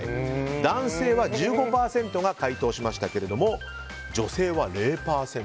男性は１５％が回答しましたが女性は０％。